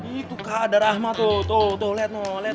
itu kak ada rahma tuh tuh tuh lihat lihat